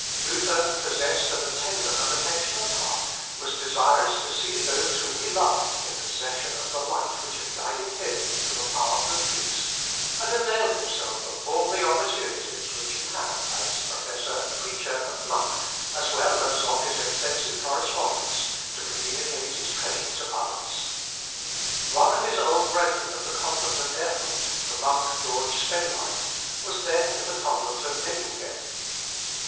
Luther, possessed of a tender and affectionate heart, was desirous to see those whom he loved in possession of the light which had guided him into the paths of peace; and availed himself of all the opportunities which he had, as professor, preacher, and monk, as well as of his extensive correspondence, to communicate his treasure to others. One of his old brethren of the convent of Erfurt, the monk George Spenlein, was then in the convent of Memmingen.